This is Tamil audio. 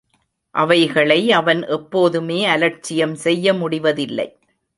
அவைகளை அவன் எப்போதுமே அலட்சியம் செய்ய முடிவதில்லை.